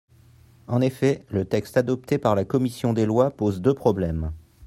En effet, le texte adopté par la commission des lois pose deux problèmes.